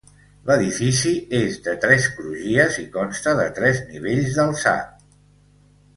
L'edifici és de tres crugies i consta de tres nivells d'alçat.